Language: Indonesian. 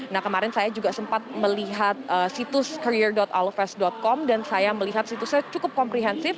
nah kemarin saya juga sempat melihat situs career alfest com dan saya melihat situsnya cukup komprehensif